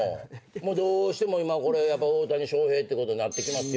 どうしても今これ大谷翔平ってことになってきますよ。